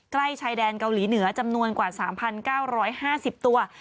ใกล้ชายแดนเกาหลีเหนือจำนวนกว่า๓๙๕๐ตัว